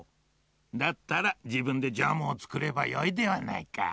だったらじぶんでジャムをつくればよいではないか。